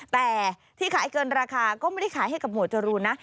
แต่ที่ขายเกินราคาก็ไม่ได้ขายให้กับหวดจรูนนะ